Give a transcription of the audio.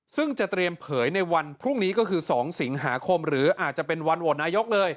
ซึ่งจะเตรียมเผยในวันพรุ่งนี้ก็คือ๒สิงหาคมหรืออาจจะเป็นวันโหวตนายกเลย